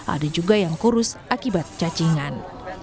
ada juga yang kurus akibat cacingan